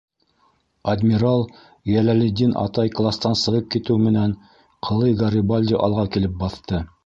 Адмирал Йәләлетдин атай кластан сығып китеү менән, ҡылый Гарибальди алға килеп баҫты: